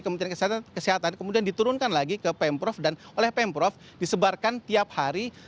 kementerian kesehatan kemudian diturunkan lagi ke pemprov dan oleh pemprov disebarkan tiap hari